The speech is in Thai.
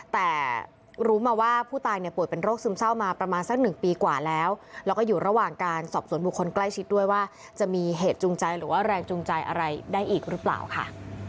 แต่รู้มาว่าผู้ตายเนี่ยป่วยเป็นโรคซึมเศร้ามาประมาณสักหนึ่งปีกว่าแล้วแล้วก็อยู่ระหว่างการสอบสวนบุคคลใกล้ชิดด้วยว่าจะมีเหตุจูงใจหรือว่าแรงจูงใจอะไรได้อีกหรือเปล่าค่ะ